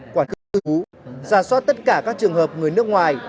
quản lý tư vũ ra soát tất cả các trường hợp người nước ngoài